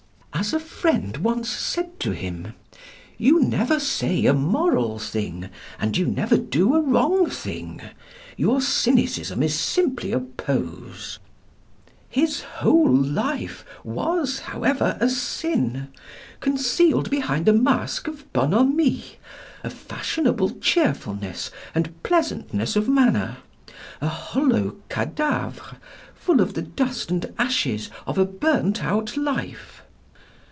As a friend once said to him, "You never say a moral thing, and you never do a wrong thing. Your cynicism is simply a pose." His whole life was, however, a sin, concealed behind a mask of bonhommie, a fashionable cheerfulness and pleasantness of manner; a hollow cadavre full of the dust and ashes of a burnt out life.